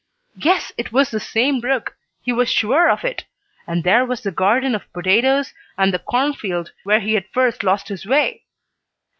Yes, it was the same brook. He was sure of it. And there was the garden of potatoes, and the cornfield where he had first lost his way.